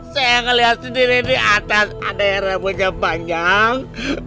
saya ngelihat sendiri di atas ada yang rempoknya panjang